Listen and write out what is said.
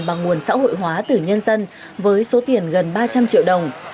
bằng nguồn xã hội hóa từ nhân dân với số tiền gần ba trăm linh triệu đồng